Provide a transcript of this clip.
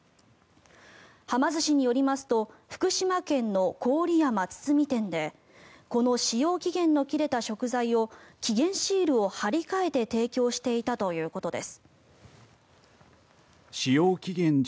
はま寿司によりますと福島県の郡山堤店でこの使用期限の切れた食材を期限シールを貼り替えて提供していたということです。